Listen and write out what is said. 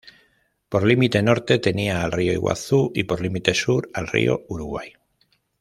Por límite norte tenía al río Iguazú, y por límite sur al río Uruguay.